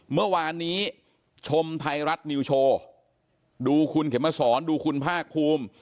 เมื่อวานนี้ชมไทยรัฐนิวโชว์ดูคุณเข็มมาสอนดูคุณภาคภูมิ